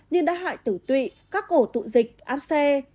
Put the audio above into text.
nên đã hại tử tụy các ổ tụ dịch áp xe